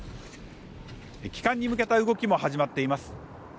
帰還に向けた動きも始まっています